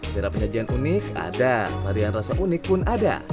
cara penyajian unik ada varian rasa unik pun ada